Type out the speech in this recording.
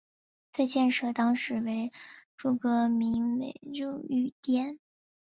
在建设当时成巽阁名为巽御殿。